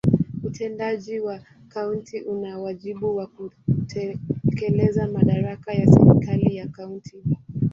Utendaji wa kaunti una wajibu wa kutekeleza madaraka ya serikali ya kaunti.